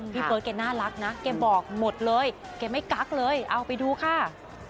พี่เบิร์ตแกน่ารักนะแกบอกหมดเลยแกไม่กั๊กเลยเอาไปดูค่ะ